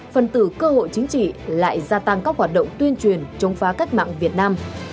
phần tử cơ hội chính trị lại gia tăng các hoạt động tuyên truyền chống phá cách mạng việt nam